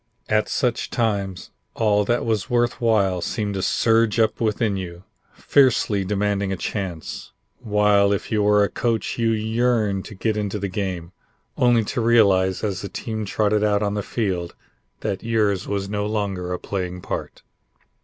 At such times, all that was worth while seemed to surge up within you, fiercely demanding a chance, while if you were a coach you yearned to get into the game, only to realize as the team trotted out on the field that yours was no longer a playing part.